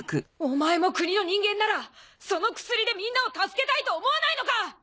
お前も国の人間ならその薬でみんなを助けたいと思わないのか！